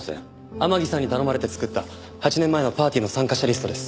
天樹さんに頼まれて作った８年前のパーティーの参加者リストです。